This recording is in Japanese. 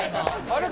「あれ？